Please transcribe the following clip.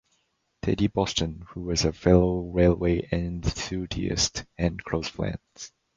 "Teddy" Boston, who was a fellow railway enthusiast and close friend.